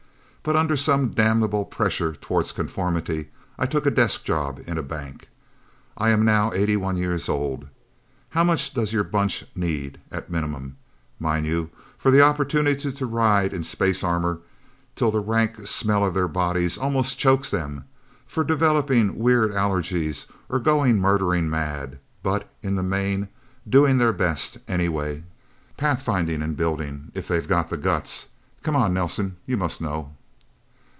But under some damnable pressure toward conformity, I took a desk job in a bank. I am now eighty one years old... How much does your 'Bunch' need at minimum, mind you for the opportunity to ride in space armor till the rank smell of their bodies almost chokes them, for developing weird allergies or going murdering mad, but, in the main, doing their best, anyway, pathfinding and building, if they've got the guts? Come on, Nelsen you must know."